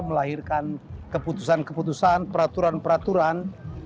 melahirkan keputusan keputusan peraturan peraturan